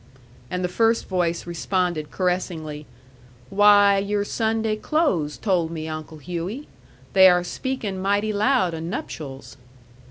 And the first voice responded caressingly: "Why, your Sunday clothes told me, Uncle Hughey. They are speakin' mighty loud o' nuptials."